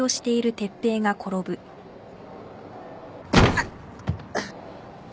あっ。